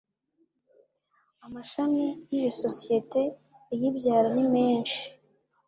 Amashami y’ iyo sosiyete iyibyara nimeshi.